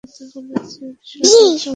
সর, ওদের সরাও!